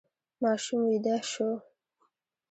ماشوم ویده شو.